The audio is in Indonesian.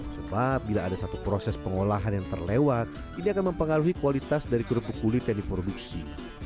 sebab bila ada satu proses pengolahan yang terlewat ini akan mempengaruhi kualitas dari kerupuk kulit yang diproduksi